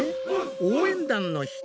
応援団の人？